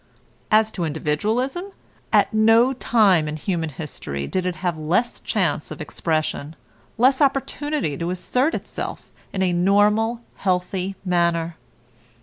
As to individualism, at no time in human history did it have less chance of expression, less opportunity to assert itself in a normal, healthy manner.